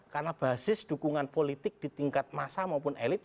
karena basis dukungan politik di tingkat masa maupun elit